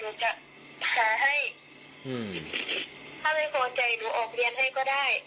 น้องหนูเป็นคนขโมยเงินบอกแม่ไป